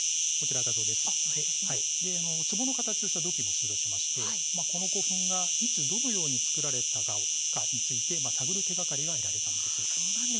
つぼの形をした土器も出土しまして、この古墳がいつ、どのように造られたかを探る手がかりが得られたんです。